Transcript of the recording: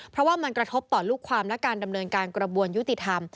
เพราะว่ามันกระทบต่อลูกความและการดำเนินการกระบวนยุติธรรม